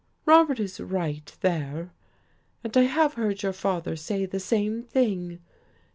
Robert is right, there. And I have heard your father say the same thing.